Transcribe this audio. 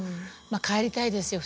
まあ帰りたいですよ